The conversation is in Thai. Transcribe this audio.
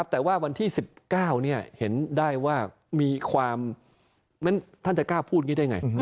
แต่ว่าวันที่๑๙เห็นได้ว่ามีความงั้นท่านจะกล้าพูดอย่างนี้ได้ไง